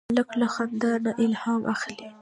هلک له خندا نه الهام اخلي.